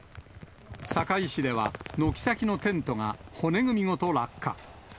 堺市では、軒先のテントが骨組みごと落下。